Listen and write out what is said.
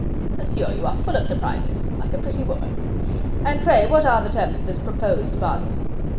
Monsieur, you are full of surprises... like a pretty woman.... And pray what are the terms of this proposed bargain?"